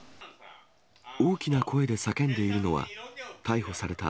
大きな声で叫んでいるのは、逮捕された